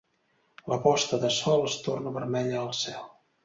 La posta de sol es torna vermella al cel.